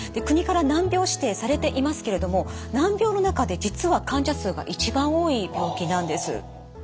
国から難病指定されていますけれども難病の中で実は患者数が一番多い病気なんです。